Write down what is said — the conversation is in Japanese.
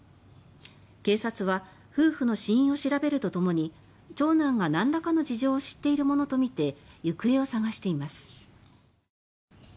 警察は夫婦の死因を調べるとともに長男がなんらかの事情を知っているものとみて行方を捜しています。